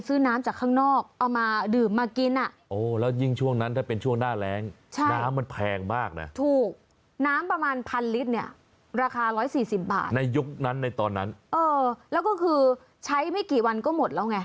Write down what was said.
สี่สิบบาทในยุคนั้นในตอนนั้นเออแล้วก็คือใช้ไม่กี่วันก็หมดแล้วไง